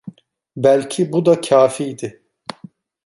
Belki bu da kâfiydi.